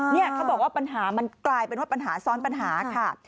เนี่ยเขาบอกว่าปัญหามันกลายเป็นว่าปัญหาซ้อนปัญหาค่ะ